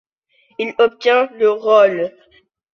Il obtient le rôle.